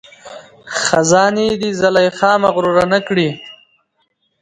خزانې دي زلیخا مغروره نه کړي